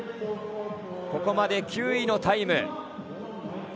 ここまで９位のタイム。